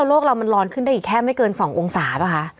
โลกเรามันร้อนขึ้นได้อีกแค่ไม่เกิน๒องศาป่ะคะ